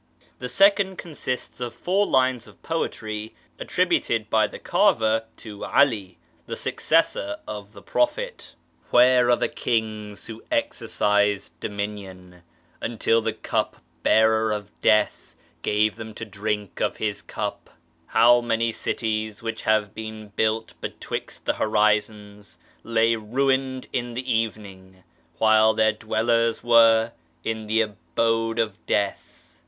The second consists of four lines of poetry, attributed by the carver to 'Ali, the successor of the Prophet :—" TFliere are the kings who exercised dominion Until the cup bearer of Death gave them to drinlc of his cup ? How many cities xchich have been built bettvixt the horizons Lay ruined in the evening, xchile their dwellers were in the abode of death?"